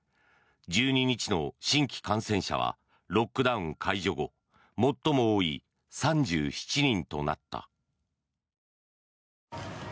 １２日の新規感染者はロックダウン解除後最も多い３７人となった。